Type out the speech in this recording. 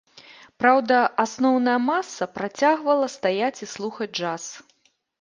Праўда, асноўная маса працягвала стаяць і слухаць джаз.